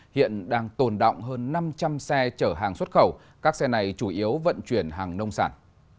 hiện đang tồn động hơn năm trăm linh xe chở hàng xuất khẩu các xe này chủ yếu vận chuyển hàng nông sản